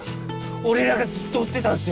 俺らがずっと追ってたんすよ